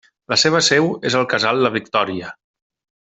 La seva seu és al Casal La Victòria.